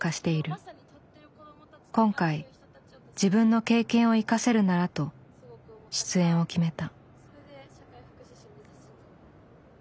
今回自分の経験を生かせるならと出演を決めた。